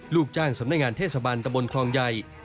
ลูกจ้างสำนักงานเทศบาลตะบนคลองใหญ่